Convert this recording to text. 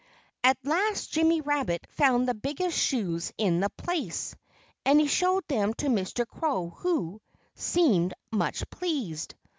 At last Jimmy Rabbit found the biggest shoes in the place. And he showed them to Mr. Crow, who seemed much pleased.